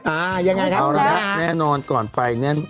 อ่ายังไงครับเอาละนะแน่นอนก่อนไปเนี่ย